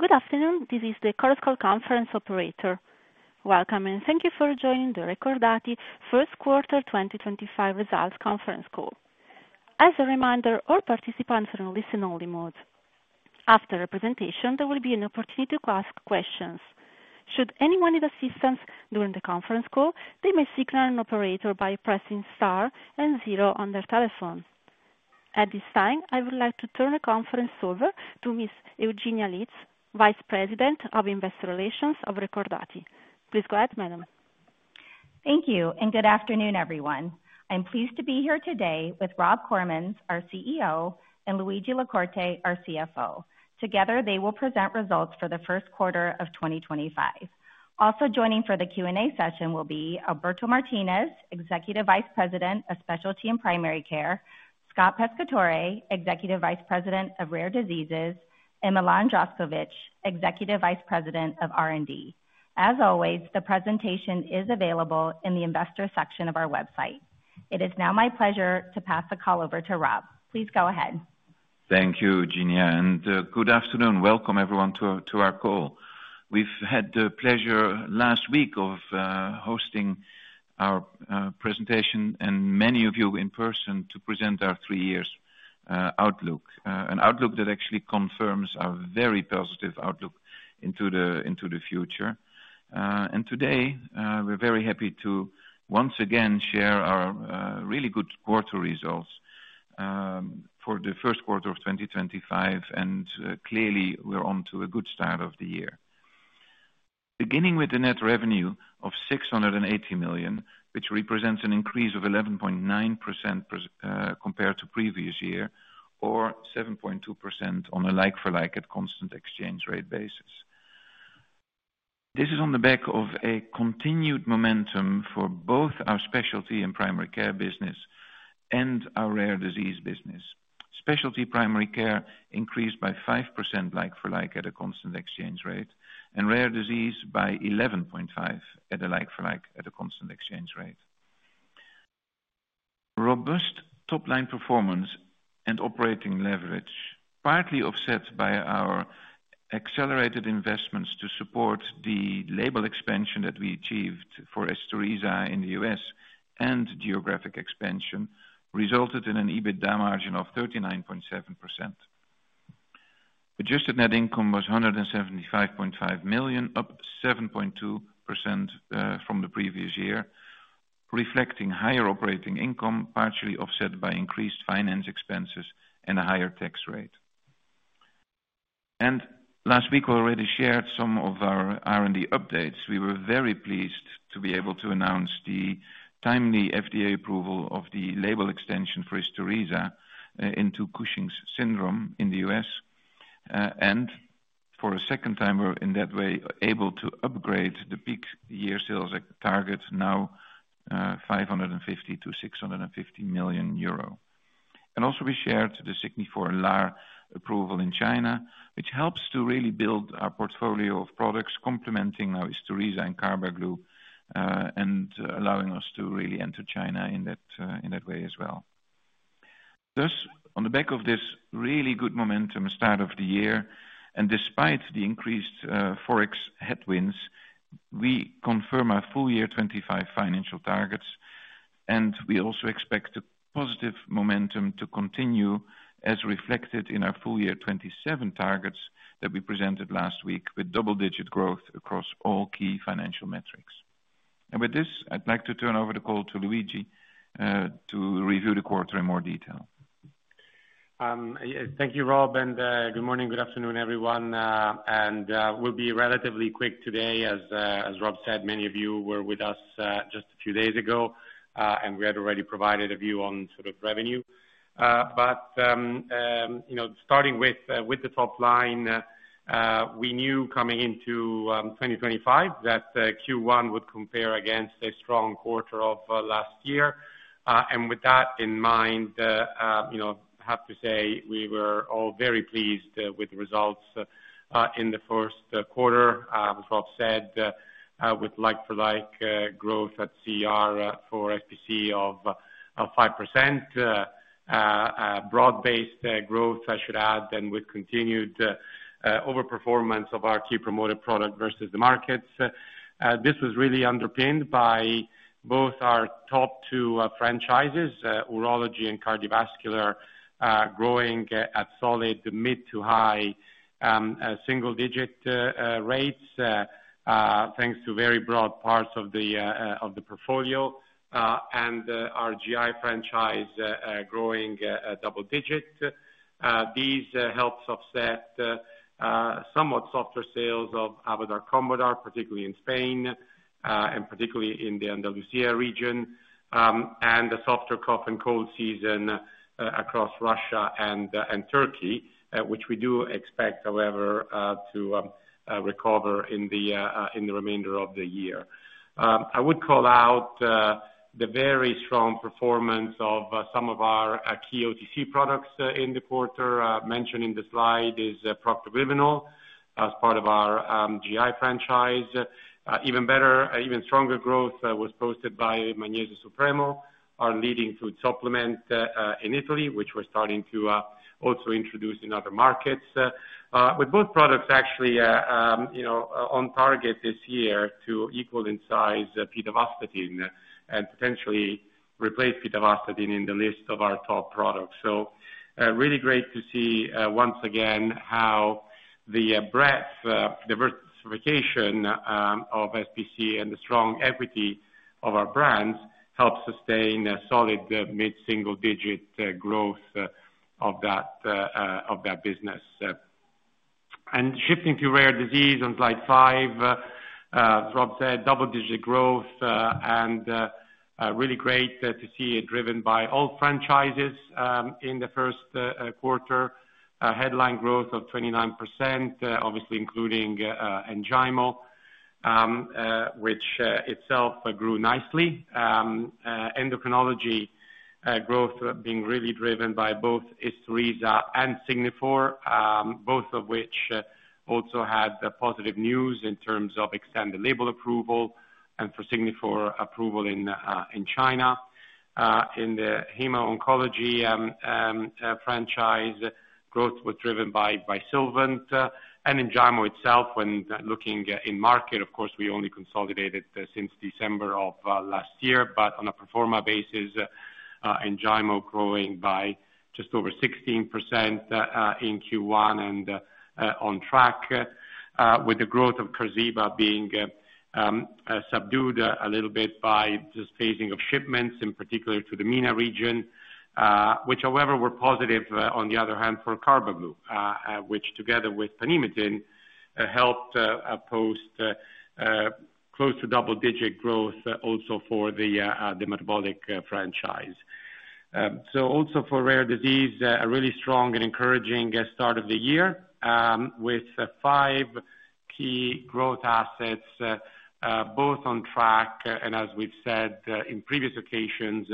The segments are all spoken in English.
Good afternoon. This is the conference operator. Welcome, and thank you for joining the Recordati First Quarter 2025 Results Conference Call. As a reminder, all participants are in listen-only mode. After the presentation, there will be an opportunity to ask questions. Should anyone need assistance during the conference call, they may signal an operator by pressing star and zero on their telephone. At this time, I would like to turn the conference over to Ms. Eugenia Litz, Vice President of Investor Relations of Recordati. Please go ahead, Madam. Thank you, and good afternoon, everyone. I'm pleased to be here today with Rob Koremans, our CEO, and Luigi La Corte, our CFO. Together, they will present results for the first quarter of 2025. Also joining for the Q&A session will be Alberto Martinez, Executive Vice President of Specialty and Primary Care, Scott Pescatore, Executive Vice President of Rare Diseases, and Milan Zdravkovic, Executive Vice President of R&D. As always, the presentation is available in the Investor section of our website. It is now my pleasure to pass the call over to Rob. Please go ahead. Thank you, Eugenia, and good afternoon. Welcome, everyone, to our call. We've had the pleasure last week of hosting our presentation and many of you in person to present our three-year outlook, an outlook that actually confirms a very positive outlook into the future, and today, we're very happy to once again share our really good quarter results for the first quarter of 2025, and clearly, we're on to a good start of the year. Beginning with the net revenue of 680 million, which represents an increase of 11.9% compared to the previous year, or 7.2% on a like-for-like at constant exchange rate basis. This is on the back of a continued momentum for both our specialty and primary care business and our rare disease business. Specialty primary care increased by 5% like-for-like at a constant exchange rate, and rare disease by 11.5% at a like-for-like at a constant exchange rate. Robust top-line performance and operating leverage, partly offset by our accelerated investments to support the label expansion that we achieved for Isturisa in the U.S. and geographic expansion, resulted in an EBITDA margin of 39.7%. Adjusted net income was $175.5 million, up 7.2% from the previous year, reflecting higher operating income, partially offset by increased finance expenses and a higher tax rate. And last week, we already shared some of our R&D updates. We were very pleased to be able to announce the timely FDA approval of the label extension for Isturisa into Cushing's syndrome in the U.S., and for a second time, we're in that way able to upgrade the peak year sales target, now 550-650 million euro. And also, we shared the Signifor LAR approval in China, which helps to really build our portfolio of products, complementing now Isturisa and Carbaglu, and allowing us to really enter China in that way as well. Thus, on the back of this really good momentum start of the year, and despite the increased forex headwinds, we confirm our full year 2025 financial targets, and we also expect the positive momentum to continue as reflected in our full year 2027 targets that we presented last week, with double-digit growth across all key financial metrics. And with this, I'd like to turn over the call to Luigi to review the quarter in more detail. Thank you, Rob, and good morning, good afternoon, everyone. We'll be relatively quick today. As Rob said, many of you were with us just a few days ago, and we had already provided a view on sort of revenue. Starting with the top line, we knew coming into 2025 that Q1 would compare against a strong quarter of last year. With that in mind, I have to say we were all very pleased with the results in the first quarter, as Rob said, with like-for-like growth at CER for SPC of 5%, broad-based growth, I should add, and with continued overperformance of our key promoted product versus the markets. This was really underpinned by both our top two franchises, urology and cardiovascular, growing at solid mid- to high-single-digit rates, thanks to very broad parts of the portfolio, and our GI franchise growing double-digit. These helped offset somewhat softer sales of Avodart Combodart, particularly in Spain, and particularly in the Andalucía region, and the softer cough and cold season across Russia and Turkey, which we do expect, however, to recover in the remainder of the year. I would call out the very strong performance of some of our key OTC products in the quarter. Mentioned in the slide is Procter & Gamble as part of our GI franchise. Even better, even stronger growth was posted by Magnesio Supremo, our leading food supplement in Italy, which we're starting to also introduce in other markets, with both products actually on target this year to equal in size Pidavastatin and potentially replace Pidavastatin in the list of our top products. So really great to see once again how the breadth, diversification of SPC, and the strong equity of our brands help sustain solid mid-single-digit growth of that business. And shifting to rare disease on slide five, Rob said, double-digit growth, and really great to see it driven by all franchises in the first quarter, headline growth of 29%, obviously including Enjaymo, which itself grew nicely. Endocrinology growth being really driven by both Isturisa and Signifor, both of which also had positive news in terms of extended label approval and for Signifor approval in China. In the hemo-oncology franchise, growth was driven by Sylvant, and Enjaymo itself, when looking in market, of course, we only consolidated since December of last year, but on a pro forma basis, Enjaymo growing by just over 16% in Q1 and on track, with the growth of Qarziba being subdued a little bit by just phasing of shipments, in particular to the MENA region, which, however, were positive, on the other hand, for Carbaglu, which together with Panhematin helped post close to double-digit growth also for the metabolic franchise. So also for Rare Diseases, a really strong and encouraging start of the year with five key growth assets, both on track and, as we've said in previous occasions,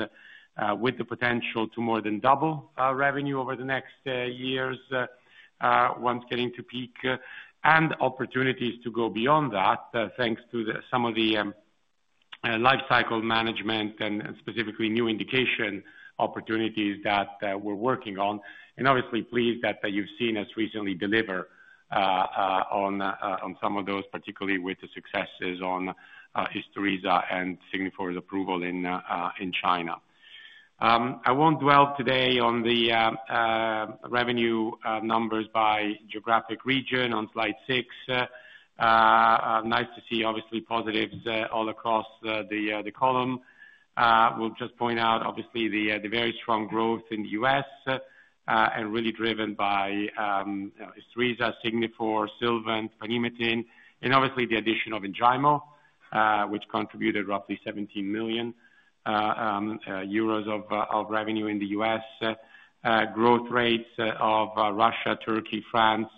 with the potential to more than double revenue over the next years once getting to peak, and opportunities to go beyond that, thanks to some of the life cycle management and specifically new indication opportunities that we're working on. And obviously pleased that you've seen us recently deliver on some of those, particularly with the successes on Isturisa and Signifor approval in China. I won't dwell today on the revenue numbers by geographic region on slide six. Nice to see, obviously, positives all across the column. We'll just point out, obviously, the very strong growth in the US and really driven by Isturisa, Signifor, Sylvant, Panhematin, and obviously the addition of Enjaymo, which contributed roughly 17 million euros of revenue in the US. Growth rates of Russia, Turkey, France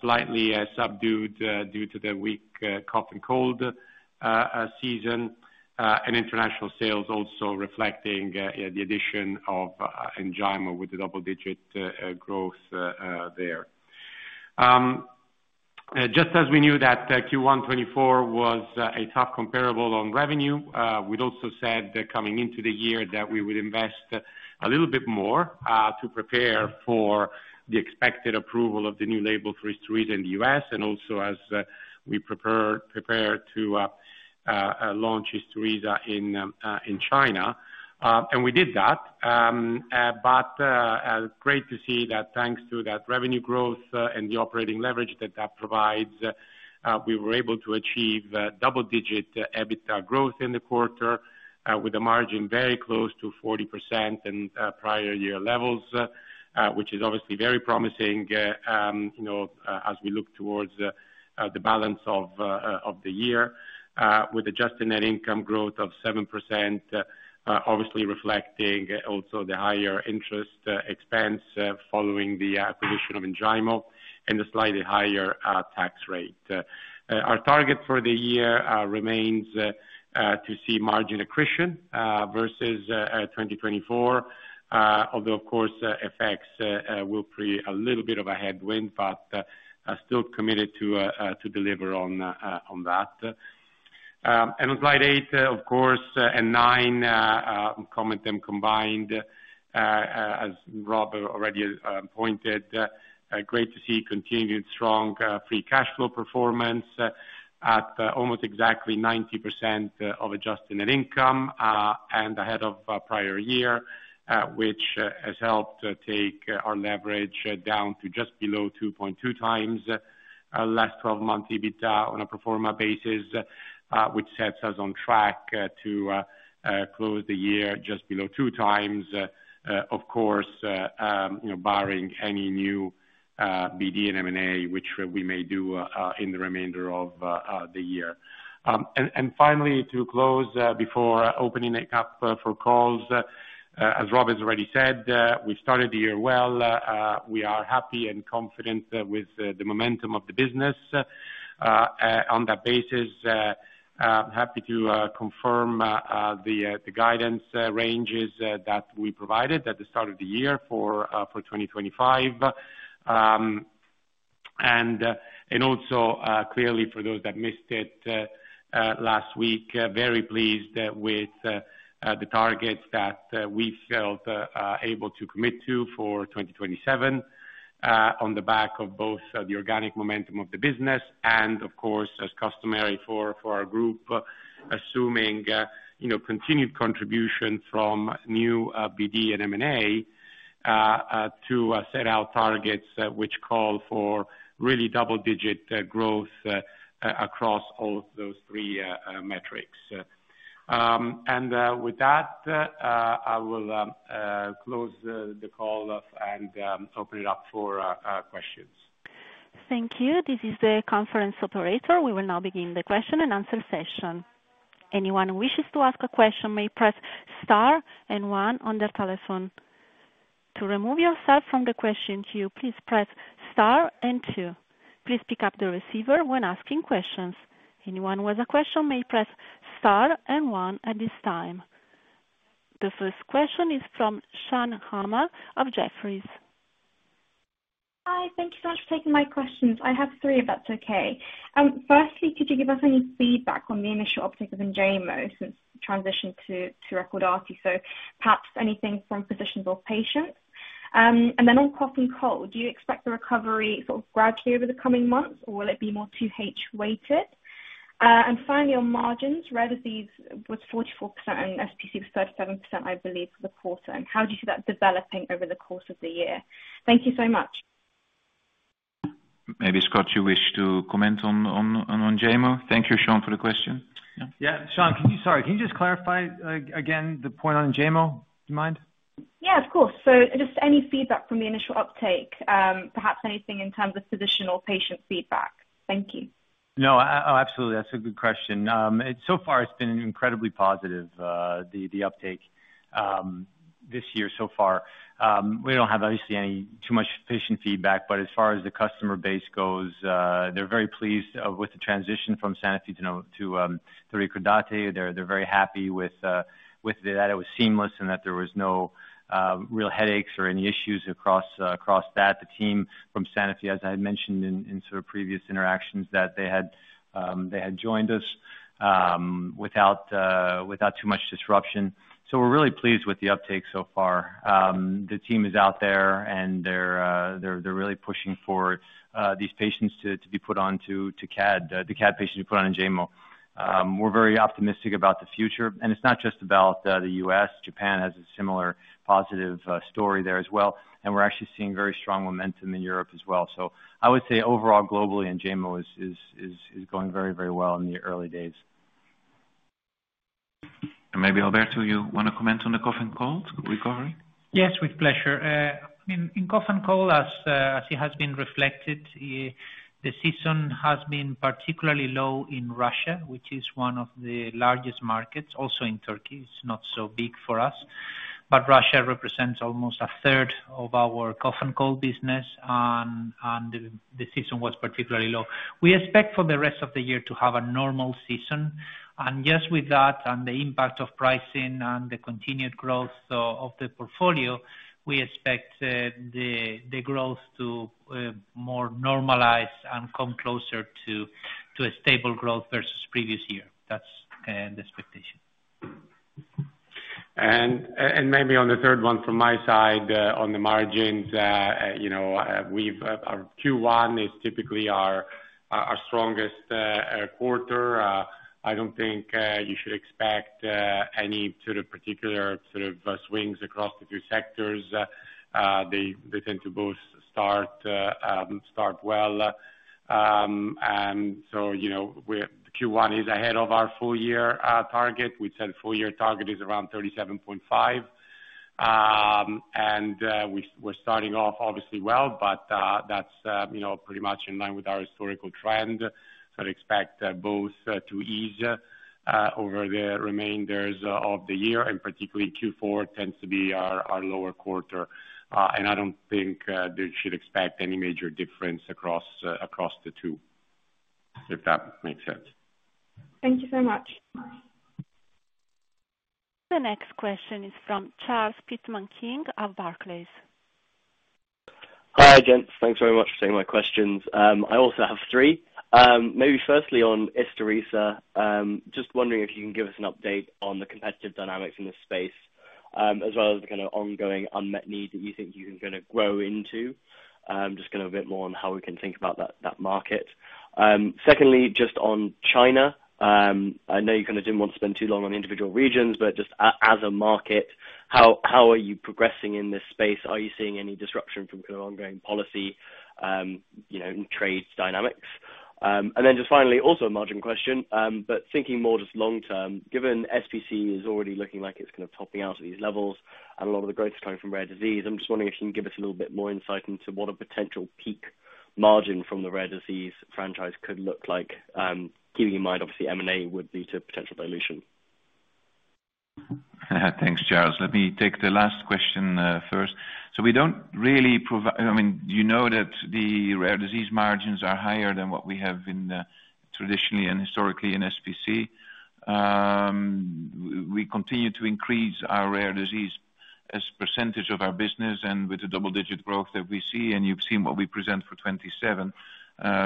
slightly subdued due to the weak cough and cold season, and international sales also reflecting the addition of Enjaymo with the double-digit growth there. Just as we knew that Q1 2024 was a tough comparable on revenue, we'd also said coming into the year that we would invest a little bit more to prepare for the expected approval of the new label for Isturisa in the US, and also as we prepare to launch Isturisa in China. And we did that, but great to see that thanks to that revenue growth and the operating leverage that that provides, we were able to achieve double-digit EBITDA growth in the quarter with a margin very close to 40% and prior year levels, which is obviously very promising as we look towards the balance of the year, with adjusted net income growth of 7%, obviously reflecting also the higher interest expense following the acquisition of Enjaymo and the slightly higher tax rate. Our target for the year remains to see margin accretion versus 2024, although, of course, FX will create a little bit of a headwind, but still committed to deliver on that. And on slide eight, of course, and nine, combined, as Rob already pointed, great to see continued strong free cash flow performance at almost exactly 90% of adjusted net income and ahead of prior year, which has helped take our leverage down to just below 2.2 times last 12-month EBITDA on a proforma basis, which sets us on track to close the year just below two times, of course, barring any new BD and M&A, which we may do in the remainder of the year. And finally, to close before opening it up for calls, as Rob has already said, we started the year well. We are happy and confident with the momentum of the business. On that basis, happy to confirm the guidance ranges that we provided at the start of the year for 2025. And also, clearly, for those that missed it last week, very pleased with the targets that we felt able to commit to for 2027 on the back of both the organic momentum of the business and, of course, as customary for our group, assuming continued contribution from new BD and M&A to set out targets which call for really double-digit growth across all of those three metrics. And with that, I will close the call and open it up for questions. Thank you. This is the conference operator. We will now begin the question and answer session. Anyone who wishes to ask a question may press star and one on their telephone. To remove yourself from the question queue, please press star and two. Please pick up the receiver when asking questions. Anyone with a question may press star and one at this time. The first question is from Shan Hama of Jefferies. Hi. Thank you so much for taking my questions. I have three, if that's okay. Firstly, could you give us any feedback on the initial uptake of Enjaymo since transition to Recordati, so perhaps anything from physicians or patients? And then on cough and cold, do you expect the recovery sort of gradually over the coming months, or will it be more 2H-weighted? And finally, on margins, rare disease was 44% and SPC was 37%, I believe, for the quarter. And how do you see that developing over the course of the year? Thank you so much. Maybe Scott, you wish to comment on Enjaymo? Thank you, Shan, for the question. Yeah. Shan, sorry, can you just clarify again the point on Enjaymo? Do you mind? Yeah, of course. So just any feedback from the initial uptake, perhaps anything in terms of physician or patient feedback? Thank you. No, absolutely. That's a good question. So far, it's been incredibly positive, the uptake this year so far. We don't have, obviously, too much patient feedback, but as far as the customer base goes, they're very pleased with the transition from Sanofi to Recordati. They're very happy with that it was seamless and that there were no real headaches or any issues across that. The team from Sanofi, as I had mentioned in sort of previous interactions, that they had joined us without too much disruption. So we're really pleased with the uptake so far. The team is out there, and they're really pushing for these patients to be put onto CAD, the CAD patients to be put on Enjaymo. We're very optimistic about the future, and it's not just about the US. Japan has a similar positive story there as well, and we're actually seeing very strong momentum in Europe as well. So I would say overall, globally, Enjaymo is going very, very well in the early days. Maybe Alberto, you want to comment on the cough and cold recovery? Yes, with pleasure. I mean, in cough and cold, as it has been reflected, the season has been particularly low in Russia, which is one of the largest markets. Also in Turkey, it's not so big for us, but Russia represents almost a third of our cough and cold business, and the season was particularly low. We expect for the rest of the year to have a normal season, and just with that and the impact of pricing and the continued growth of the portfolio, we expect the growth to more normalize and come closer to a stable growth versus previous year. That's the expectation. And maybe on the third one from my side on the margins, our Q1 is typically our strongest quarter. I don't think you should expect any sort of particular sort of swings across the two sectors. They tend to both start well. And so the Q1 is ahead of our full-year target. We'd said full-year target is around 37.5, and we're starting off, obviously, well, but that's pretty much in line with our historical trend. So I'd expect both to ease over the remainders of the year, and particularly Q4 tends to be our lower quarter. And I don't think you should expect any major difference across the two, if that makes sense. Thank you so much. The next question is from Charles Pitman-King of Barclays. Hi, again. Thanks very much for taking my questions. I also have three. Maybe firstly on Isturisa, just wondering if you can give us an update on the competitive dynamics in this space, as well as the kind of ongoing unmet need that you think you're going to grow into, just kind of a bit more on how we can think about that market. Secondly, just on China, I know you kind of didn't want to spend too long on the individual regions, but just as a market, how are you progressing in this space? Are you seeing any disruption from kind of ongoing policy and trade dynamics? And then just finally, also a margin question, but thinking more just long-term, given SPC is already looking like it's kind of topping out at these levels and a lot of the growth is coming from rare disease, I'm just wondering if you can give us a little bit more insight into what a potential peak margin from the rare disease franchise could look like, keeping in mind, obviously, M&A would lead to potential dilution? Thanks, Charles. Let me take the last question first. So we don't really provide. I mean, you know that the rare disease margins are higher than what we have been traditionally and historically in SPC. We continue to increase our rare disease percentage of our business, and with the double-digit growth that we see, and you've seen what we present for 2027,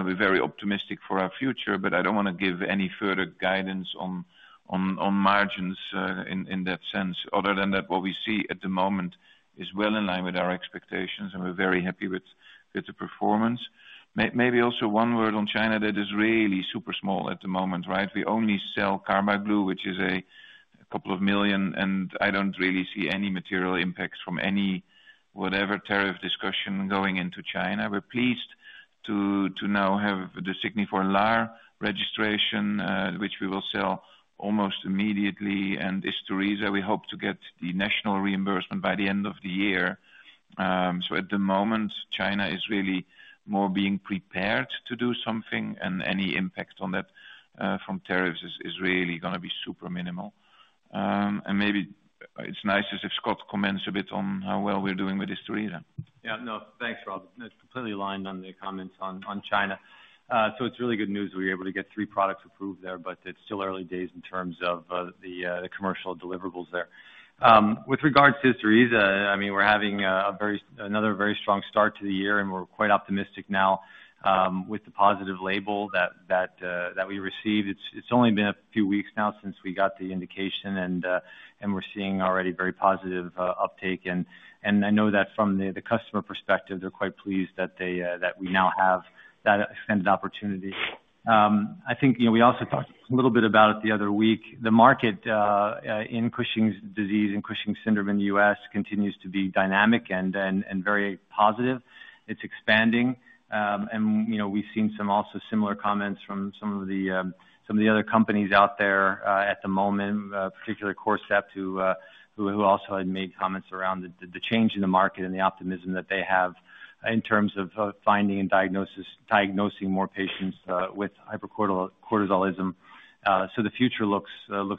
we're very optimistic for our future, but I don't want to give any further guidance on margins in that sense, other than that what we see at the moment is well in line with our expectations, and we're very happy with the performance. Maybe also one word on China that is really super small at the moment, right? We only sell Carbaglu, which is 2 million, and I don't really see any material impacts from any whatever tariff discussion going into China. We're pleased to now have the Signifor LAR registration, which we will sell almost immediately, and Isturisa, we hope to get the national reimbursement by the end of the year, so at the moment, China is really more being prepared to do something, and any impact on that from tariffs is really going to be super minimal, and maybe it's nice if Scott comments a bit on how well we're doing with Isturisa. Yeah. No, thanks, Rob. It's completely aligned on the comments on China. So it's really good news we were able to get three products approved there, but it's still early days in terms of the commercial deliverables there. With regards to Isturisa, I mean, we're having another very strong start to the year, and we're quite optimistic now with the positive label that we received. It's only been a few weeks now since we got the indication, and we're seeing already very positive uptake. And I know that from the customer perspective, they're quite pleased that we now have that extended opportunity. I think we also talked a little bit about it the other week. The market in Cushing's disease and Cushing's syndrome in the U.S. continues to be dynamic and very positive. It's expanding, and we've seen some also similar comments from some of the other companies out there at the moment, particularly Corcept, who also had made comments around the change in the market and the optimism that they have in terms of finding and diagnosing more patients with hypercortisolism, so the future looks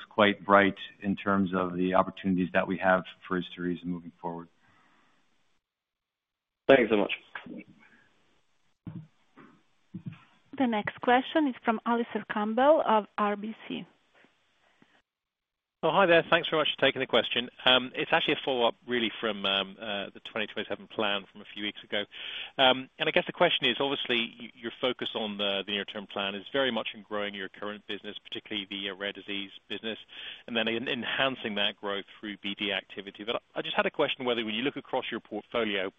quite bright in terms of the opportunities that we have for Isturisa moving forward. Thanks so much. The next question is from Alistair Campbell of RBC. Hi, there. Thanks very much for taking the question. It's actually a follow-up, really, from the 2027 plan from a few weeks ago, and I guess the question is, obviously, your focus on the near-term plan is very much in growing your current business, particularly the rare disease business, and then enhancing that growth through BD activity, but I just had a question whether, when you look across your portfolio,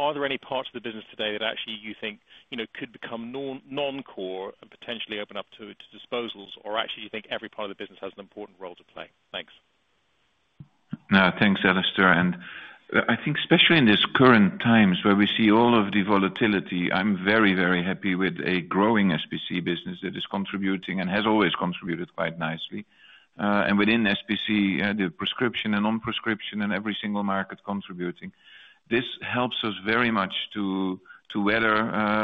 are there any parts of the business today that actually you think could become non-core and potentially open up to disposals, or actually do you think every part of the business has an important role to play? Thanks. No, thanks, Alistair. And I think, especially in these current times where we see all of the volatility, I'm very, very happy with a growing SPC business that is contributing and has always contributed quite nicely. And within SPC, the prescription and non-prescription and every single market contributing. This helps us very much to weather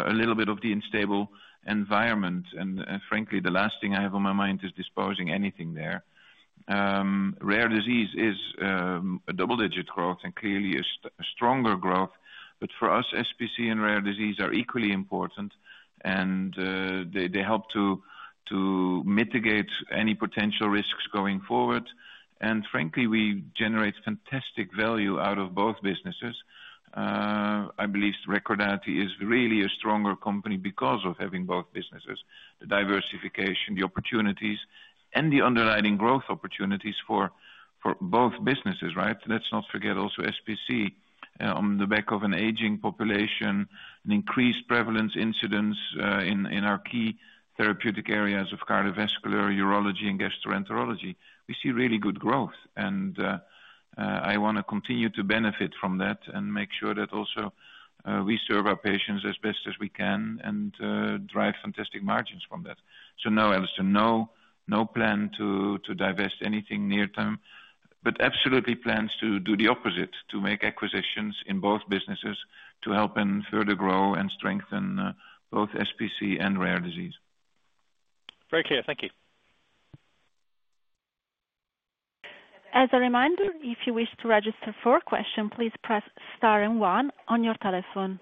a little bit of the unstable environment. And frankly, the last thing I have on my mind is disposing anything there. Rare disease is a double-digit growth and clearly a stronger growth, but for us, SPC and rare disease are equally important, and they help to mitigate any potential risks going forward. And frankly, we generate fantastic value out of both businesses. I believe Recordati is really a stronger company because of having both businesses, the diversification, the opportunities, and the underlying growth opportunities for both businesses, right? Let's not forget also SPC on the back of an aging population, an increased prevalence incidence in our key therapeutic areas of cardiovascular, urology, and gastroenterology. We see really good growth, and I want to continue to benefit from that and make sure that also we serve our patients as best as we can and drive fantastic margins from that. So no, Alistair, no plan to divest anything near-term, but absolutely plans to do the opposite, to make acquisitions in both businesses to help and further grow and strengthen both SPC and rare disease. Very clear. Thank you. As a reminder, if you wish to register for a question, please press star and one on your telephone.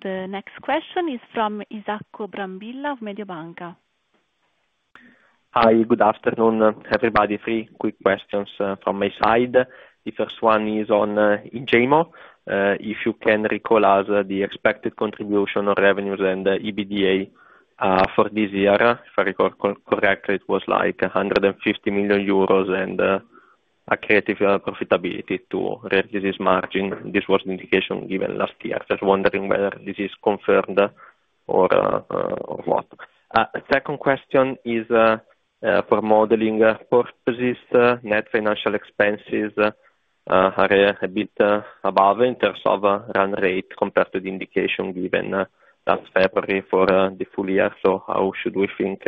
The next question is from Isacco Brambilla of Mediobanca. Hi. Good afternoon, everybody. Three quick questions from my side. The first one is on Enjaymo. If you can recall, the expected contribution of revenues and EBITDA for this year, if I recall correctly, it was like 150 million euros and an accretive profitability to rare disease margin. This was the indication given last year. Just wondering whether this is confirmed or what. Second question is for modeling purposes, net financial expenses are a bit above in terms of run rate compared to the indication given last February for the full year, so how should we think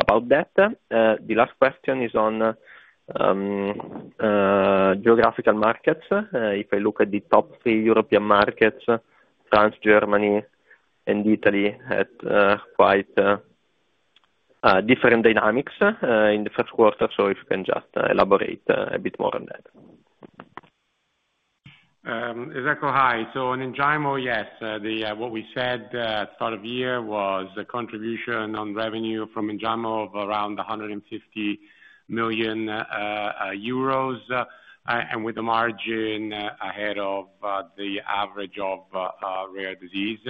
about that? The last question is on geographical markets. If I look at the top three European markets, France, Germany, and Italy, quite different dynamics in the first quarter, so if you can just elaborate a bit more on that. Isacco, hi. So on Enjaymo, yes. What we said at the start of the year was a contribution on revenue from Enjaymo of around 150 million euros, and with a margin ahead of the average of rare disease.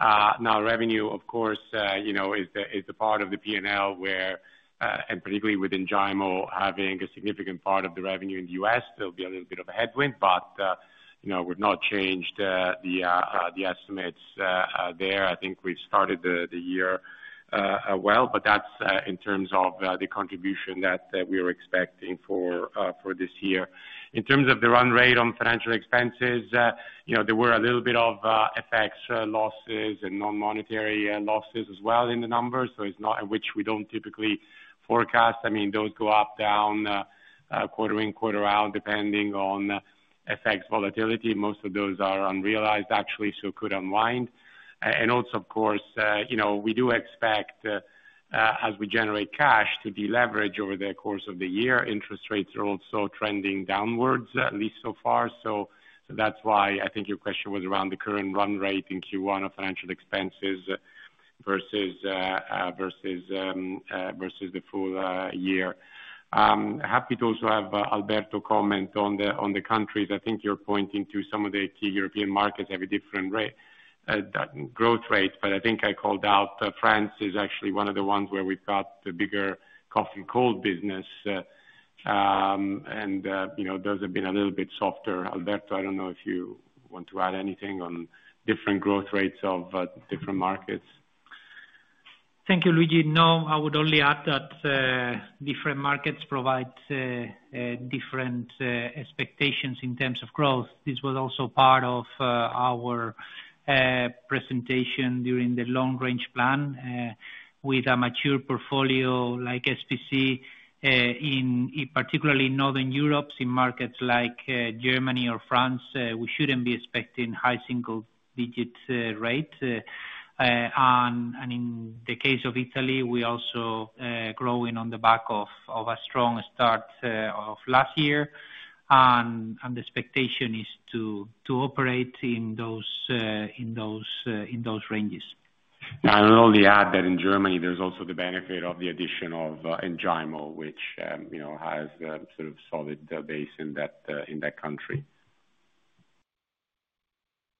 Now, revenue, of course, is the part of the P&L where, and particularly with Enjaymo, having a significant part of the revenue in the U.S., there'll be a little bit of a headwind, but we've not changed the estimates there. I think we've started the year well, but that's in terms of the contribution that we are expecting for this year. In terms of the run rate on financial expenses, there were a little bit of FX losses and non-monetary losses as well in the numbers, which we don't typically forecast. I mean, those go up, down, quarter in, quarter out, depending on FX volatility. Most of those are unrealized, actually, so could unwind. Also, of course, we do expect, as we generate cash, to deleverage over the course of the year. Interest rates are also trending downwards, at least so far, so that's why I think your question was around the current run rate in Q1 of financial expenses versus the full year. Happy to also have Alberto comment on the countries. I think you're pointing to some of the key European markets have a different growth rate, but I think I called out France is actually one of the ones where we've got the bigger cough and cold business, and those have been a little bit softer. Alberto, I don't know if you want to add anything on different growth rates of different markets. Thank you, Luigi. No, I would only add that different markets provide different expectations in terms of growth. This was also part of our presentation during the long-range plan. With a mature portfolio like SPC, particularly in Northern Europe, in markets like Germany or France, we shouldn't be expecting high single-digit rates, and in the case of Italy, we're also growing on the back of a strong start of last year, and the expectation is to operate in those ranges. I'll only add that in Germany, there's also the benefit of the addition of Enjaymo, which has a sort of solid base in that country.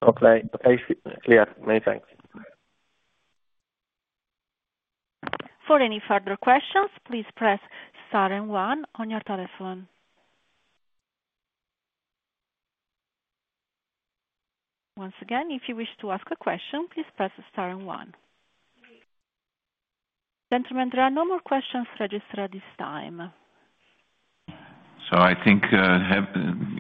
Okay. Okay. Clear. Many thanks. For any further questions, please press star and one on your telephone. Once again, if you wish to ask a question, please press star and one. Gentlemen, there are no more questions registered at this time. So I think,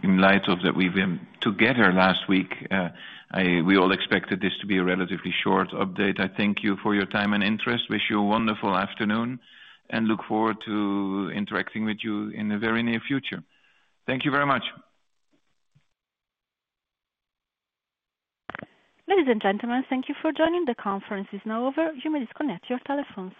in light of that we've been together last week, we all expected this to be a relatively short update. I thank you for your time and interest. Wish you a wonderful afternoon and look forward to interacting with you in the very near future. Thank you very much. Ladies and gentlemen, thank you for joining the conference. It's now over. You may disconnect your telephones.